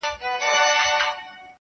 • چا یې پښې چا ګودړۍ ورمچوله -